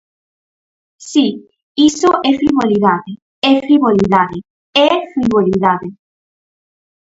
Si, iso é frivolidade, é frivolidade, é frivolidade.